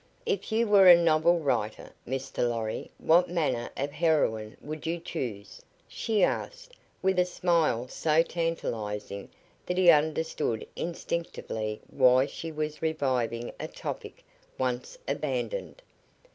"If you were a novel writer, Mr. Lorry, what manner of heroine would you choose?" she asked, with a smile so tantalizing that he understood instinctively why she was reviving a topic once abandoned.